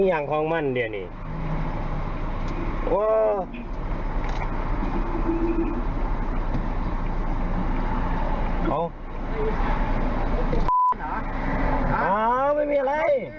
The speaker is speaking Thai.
อ่ะไม่ได้ไทช์